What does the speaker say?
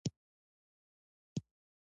تنوع د افغانستان د طبعي سیسټم توازن ساتي.